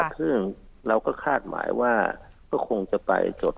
ซึ่งเราก็คาดหมายว่าก็คงจะไปจด